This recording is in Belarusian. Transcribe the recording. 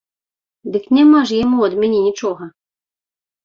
Дык няма ж яму ад мяне нічога.